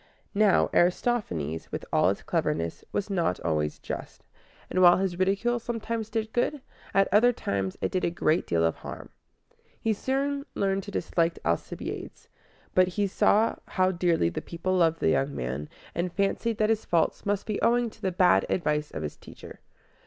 Now, Aristophanes, with all his cleverness, was not always just; and while his ridicule sometimes did good, at other times it did a great deal of harm. He soon learned to dislike Alcibiades; but he saw how dearly the people loved the young man, and fancied that his faults must be owing to the bad advice of his teacher.